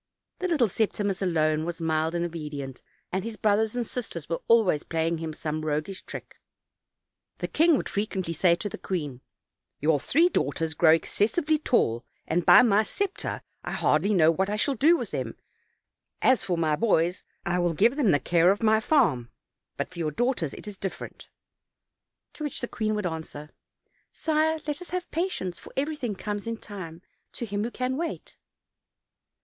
The little Septimus alone was mild and obedient, and his brothers and sisters were always playing him some roguish trick. The king would frequently say to the queen; "Your three daughters grow excessively tall, and by my scepter, I hardly know what I shall do with them; as for my boys, I will give them the care of my farm; but for your daughters, it is different." To which the queen would answer: "Sire, let us have patience; for everything comes in time to him who can wait."